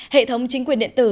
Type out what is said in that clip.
hệ thống chính quyền điện tử